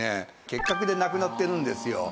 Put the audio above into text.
結核で亡くなってるんですよ。